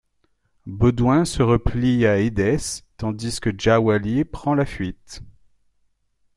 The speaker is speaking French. Baudouin se replie à Édesse, tandis que Jâwali prend la fuite.